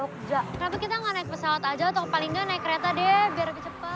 kenapa kita nggak naik pesawat aja atau paling nggak naik kereta deh biar lebih cepat